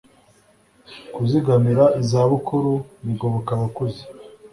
Kuzigamira izabukuru bigoboka abakuze